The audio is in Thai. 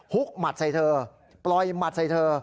กหมัดใส่เธอปล่อยหมัดใส่เธอ